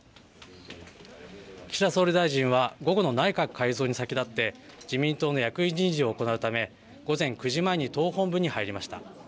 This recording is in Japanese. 岸田総理大臣は午後の内閣改造に先立って自民党の役員人事を行うため午前９時前に党本部に入りました。